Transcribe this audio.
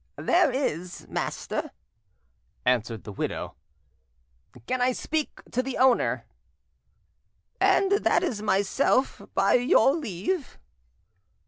"There is, master," answered the widow. "Can I speak to the owner?" "And that is myself, by your leave."